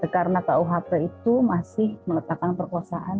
karena kuhp itu masih meletakkan perkosaan